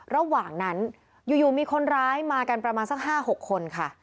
ระหว่างนั้นอยู่มีคนร้ายมากันประมาณสัก๕๖คนค่ะ